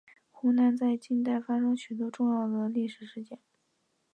湖南在近代发生许多重要的历史事件。